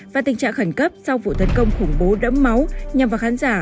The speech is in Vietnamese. và tình trạng khẩn cấp sau vụ tấn công khủng bố đẫm máu nhằm vào khán giả